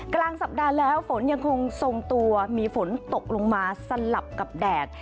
กลางสัปดาห์แล้วฝนยังคงทรงตัวมีฝนตกลงมาสลับกับแดด